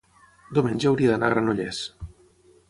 diumenge hauria d'anar a Granollers.